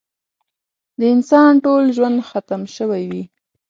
د انسان ټول ژوند ختم شوی وي.